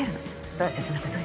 大切なことよ。